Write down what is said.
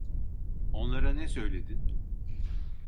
Onlara ne söyledin?